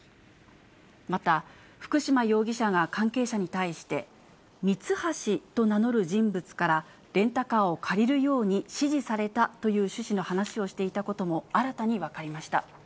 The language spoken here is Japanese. また、福島容疑者が関係者に対して、ミツハシと名乗る人物から、レンタカーを借りるように指示されたという趣旨の話をしていたことも新たに分かりました。